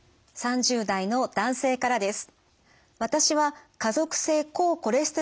３０代の男性からです。